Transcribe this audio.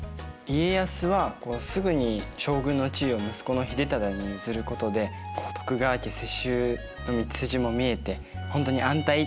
家康はすぐに将軍の地位を息子の秀忠に譲ることで徳川家世襲の道筋も見えてほんとに安泰って感じだったよね。